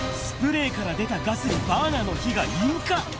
スプレーから出たガスにバーナーの火が引火。